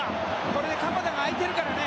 これで鎌田が空いてるからね。